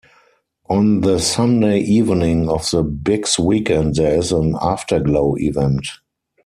On the Sunday evening of the Bix weekend there is an 'Afterglow' event.